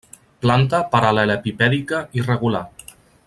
Planta paral·lelepipèdica irregular.